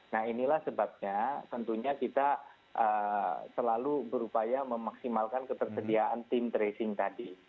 nah inilah sebabnya tentunya kita selalu berupaya memaksimalkan ketersediaan tim tracing tadi